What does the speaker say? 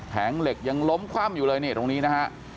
เหล็กยังล้มคว่ำอยู่เลยนี่ตรงนี้นะฮะ